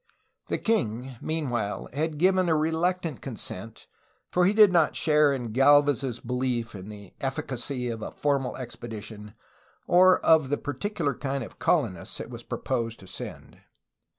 The king, meanw^hile, had given a reluctant consent, for he did not share in Galvez's belief in the efficacy of a formal expedition or of the particular kind of colonists it was proposed to send.